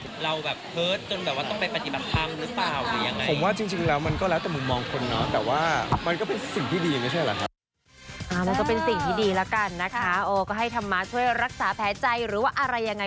เราแบบเพิศจนแบบว่าต้องไปปฏิบัติธรรมหรือเปล่าหรือยังไง